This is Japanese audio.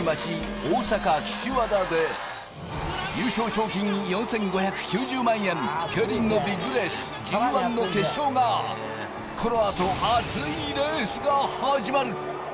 その中、だんじり祭のアツい街、大阪・岸和田で優勝賞金４５９０万円、競輪のビッグレース、Ｇ１の決勝がこのあと熱いレースが始まる。